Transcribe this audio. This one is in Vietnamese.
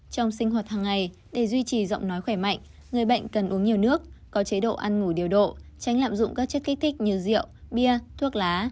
trong sinh hoạt hàng ngày để duy trì giọng nói khỏe mạnh người bệnh cần uống nhiều nước có chế độ ăn ngủ điều độ tránh lạm dụng các chất kích thích như rượu bia thuốc lá